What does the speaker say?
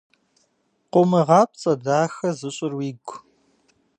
Къумыгъапцӏэ дахэ зыщӏыр уигу.